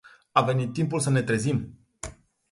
A venit timpul să ne trezim.